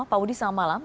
pak budi selamat malam